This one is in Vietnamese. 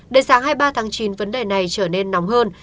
đến sáng hai mươi ba tháng chín vấn đề này trở nên nóng hơn